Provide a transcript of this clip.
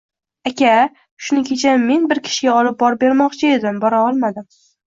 Aka, shuni kecha men bir kishiga olib borib bermoqchi edim, bora olmadim